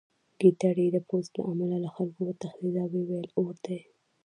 ګیدړې د پوست له امله له خلکو وتښتېده او ویې ویل اور دی